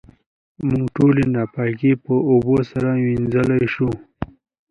موږ ټولې ناپاکۍ په اوبو سره وېنځلی شو.